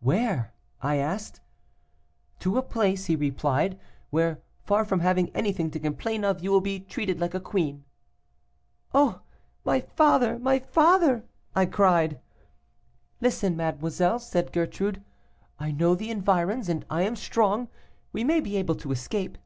"'Where?' I asked. 'To a place,' he replied, 'where, far from having anything to complain of, you will be treated like a queen.' 'Oh! my father! my father!' I cried. 'Listen, mademoiselle,' said Gertrude, 'I know the environs, and I am strong; we may be able to escape.